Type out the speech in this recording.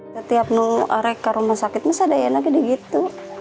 di rumah sakit dia sudah gede gede